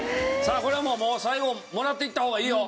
これももう最後もらっていった方がいいよ。